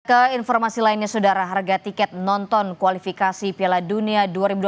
ke informasi lainnya saudara harga tiket nonton kualifikasi piala dunia dua ribu dua puluh